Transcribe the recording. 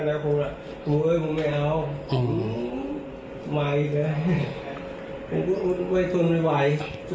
ผมว่าผมไม่เอาอืมมาอีกแล้วผมก็เวทุนก็ไว